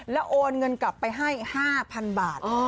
แล้วโอนเงินกลับไปให้๕๐๐๐บาท